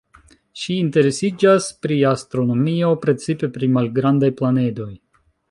Ŝi interesiĝas pri astronomio, precipe pri malgrandaj planedoj.